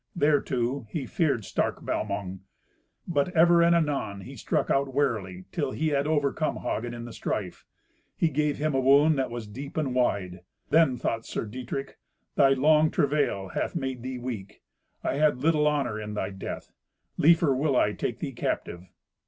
Thereto, he feared stark Balmung. But ever and anon he struck out warily, till he had overcome Hagen in the strife. He gave him a wound that was deep and wide. Then thought Sir Dietrich, "Thy long travail hath made thee weak. I had little honour in thy death. Liefer will I take thee captive."